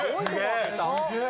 すげえ。